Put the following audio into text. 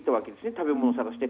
食べ物を探して。